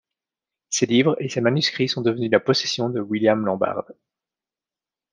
Ses livres et ses manuscrits sont devenus la possession de William Lambarde.